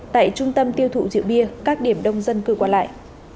tại trung tâm tiêu thụ rượu bia các điểm đông dân cư qua lại